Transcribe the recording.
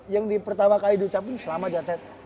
yang di pertama kali di ucapin selama jatet